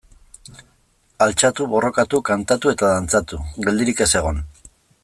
Altxatu, borrokatu, kantatu eta dantzatu, geldirik ez egon.